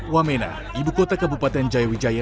wamena ibu kota kabupaten jayawijaya